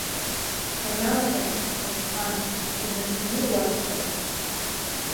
Саналагах, Ҭарсхан, инагӡаны иуасҳәап.